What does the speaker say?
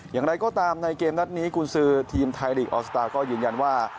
อย่างไรก็ตามในเกมนัดนี้กุญสือทีมไทยลีกออสตาร์ก็ยืนยันว่า